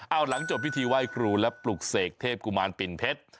เอาหลังจบพิธีไหว้ครูและปลุกเสกเทพกุมารปิ่นเพชร